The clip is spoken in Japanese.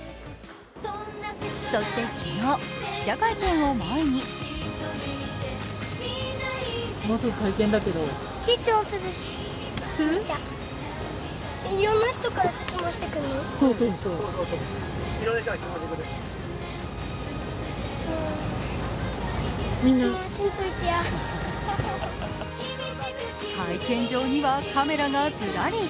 そして昨日、記者会見を前に会見場にはカメラがずらり。